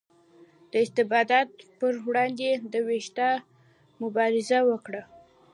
د استبداد پر وړاندې د ویښتیا مبارزه وه.